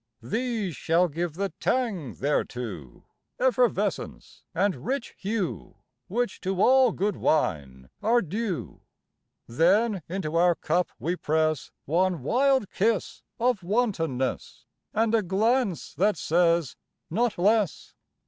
These shall give the tang thereto, Effervescence and rich hue Which to all good wine are due. Then into our cup we press One wild kiss of wantonness, And a glance that says not less.